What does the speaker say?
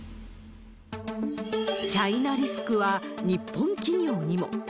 チャイナリスクは日本企業にも。